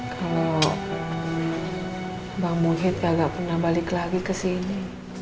kalau bang muhyidd kagak pernah balik lagi ke sini